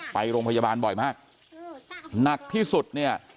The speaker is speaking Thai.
ไปโรงพยาบาลบ่อยมากหนักที่สุดเนี่ย